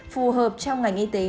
phù hợp trong ngành y tế